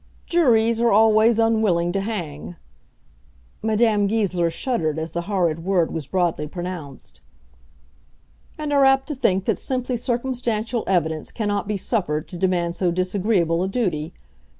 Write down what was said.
"Juries are always unwilling to hang," Madame Goesler shuddered as the horrid word was broadly pronounced, "and are apt to think that simply circumstantial evidence cannot be suffered to demand so disagreeable a duty.